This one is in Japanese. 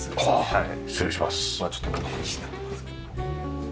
はい。